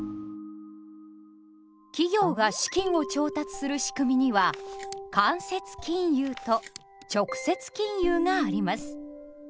企業が資金を調達するしくみには「間接金融」と「直接金融」があります。